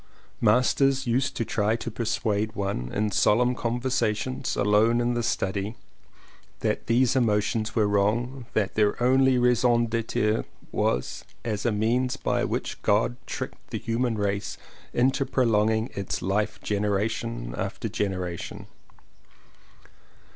Masters used to try to persuade one, in solemn conversations alone in the study, that these emotions were wrong, that their only raison d'etre was as a means by which God tricked the human race into prolonging its life generation after genera tion.